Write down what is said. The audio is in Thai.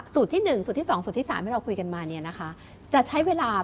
สูตรที่๑สูตรที่๒สูตรที่๓ที่เราคุยกันมา